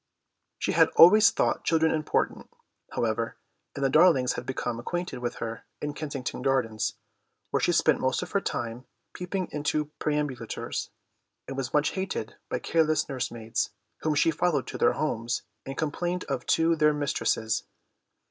She had always thought children important, however, and the Darlings had become acquainted with her in Kensington Gardens, where she spent most of her spare time peeping into perambulators, and was much hated by careless nursemaids, whom she followed to their homes and complained of to their mistresses.